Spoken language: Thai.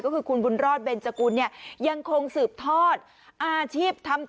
ก็คือคุณบุญรอดเบนจกุลยังคงสืบทอดอาชีพ